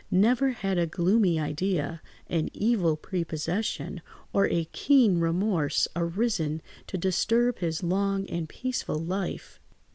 Never had a gloomy idea, an evil prepossession, or a keen remorse, arisen to disturb his long and peaceful life.